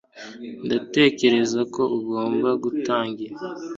ndatekereza ko ugomba gutangira